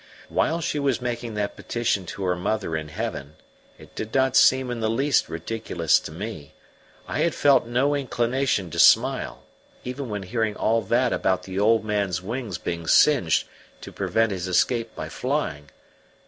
While she was making that petition to her mother in heaven, it did not seem in the least ridiculous to me: I had felt no inclination to smile, even when hearing all that about the old man's wings being singed to prevent his escape by flying.